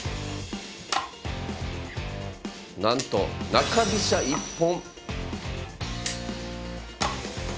なんと中飛車一本！